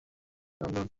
এটি একটি আন্দোলন।